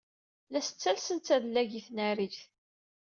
La as-ttalsent adlag i tnarit.